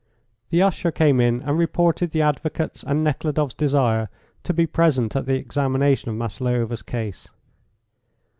The usher came in and reported the advocate's and Nekhludoff's desire to be present at the examination of Maslova's case.